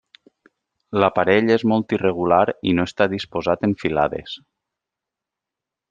L'aparell és molt irregular i no està disposat en filades.